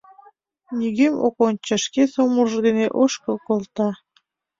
Нигӧм ок ончо, шке сомылжо дене ошкыл колта...